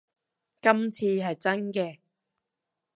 今次係真嘅